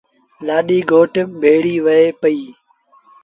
لآڏيٚ گھوٽ ڀيڙيٚ وهي پئيٚ۔